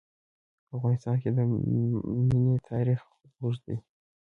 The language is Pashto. په افغانستان کې د منی تاریخ اوږد دی.